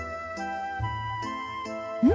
うん？